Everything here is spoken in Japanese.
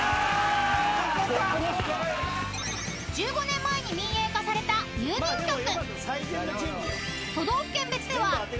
［１５年前に民営化された郵便局］